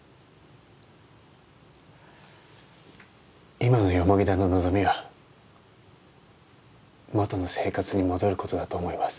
今の田の望みは元の生活に戻ることだと思います。